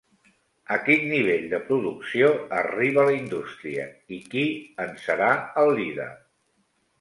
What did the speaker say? A quin nivell de producció arriba la indústria, i qui en serà el líder?